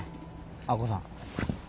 明子さん。